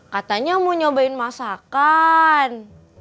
katanya mau nyobain masakan